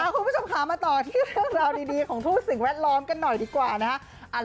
คุณผู้ชมค่ะมาต่อที่เรื่องราวดีของทุกสิ่งแวดล้อมกันหน่อยดีกว่านะฮะ